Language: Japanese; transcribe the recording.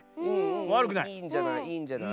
わるくない。